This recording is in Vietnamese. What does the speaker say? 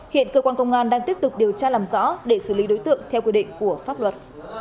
hiện cơ quan công an đang tiếp tục điều tra làm rõ để xử lý đối tượng theo quy định của pháp luật